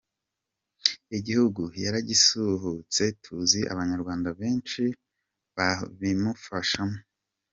Igihugu yaragisahuye tuzi abanyarwanda benshi babimufashamo